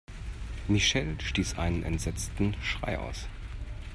Michelle stieß einen entsetzten Schrei aus.